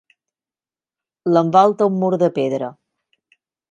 L'envolta un mur de pedra.